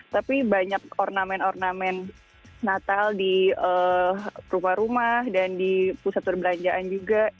tapi banyak ornamen ornamen natal di rumah rumah dan di pusat perbelanjaan juga